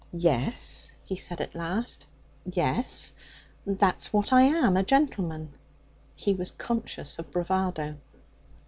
'Yes,' he said at last. 'Yes, that's what I am a gentleman.' He was conscious of bravado.